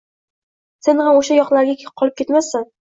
Sen ham o‘sha yoqlarda qolib ketmassan